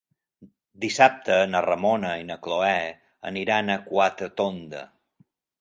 Dissabte na Ramona i na Cloè aniran a Quatretonda.